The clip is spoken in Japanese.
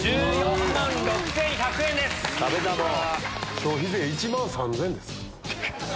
消費税１万３０００円です。